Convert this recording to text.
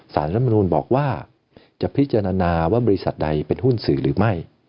สารรัฐมนุนบอกว่าจะพิจารณาว่าบริษัทใดเป็นหุ้นสื่อหรือไม่